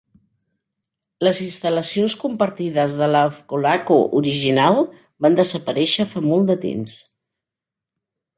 Les instal·lacions compartides de la Ofcolaco original van desaparèixer fa molt de temps.